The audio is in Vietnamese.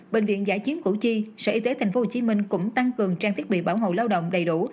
bệnh viện giã chiến củ chi sở y tế tp hcm cũng tăng cường trang thiết bị bảo hộ lao động đầy đủ